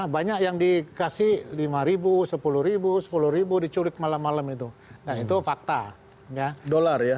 banyak yang dikasih lima ribu sepuluh sepuluh ribu diculik malam malam itu nah itu fakta ya dollar ya